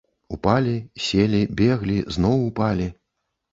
Упалі, селі, беглі, зноў упалі.